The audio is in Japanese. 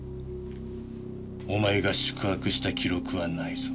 お前が宿泊した記録はないぞ。